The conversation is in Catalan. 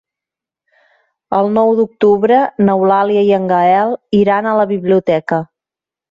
El nou d'octubre n'Eulàlia i en Gaël iran a la biblioteca.